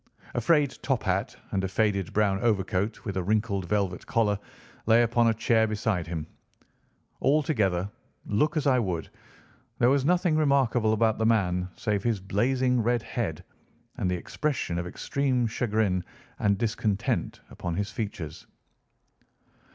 A frayed top hat and a faded brown overcoat with a wrinkled velvet collar lay upon a chair beside him. Altogether, look as I would, there was nothing remarkable about the man save his blazing red head, and the expression of extreme chagrin and discontent upon his features.